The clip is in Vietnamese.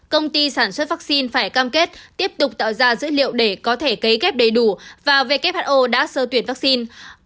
công ty sản xuất vaccine phải cam kết tiếp tục tạo ra dữ liệu để có thể cấy ghép đầy đủ và who đã sơ tuyển vaccine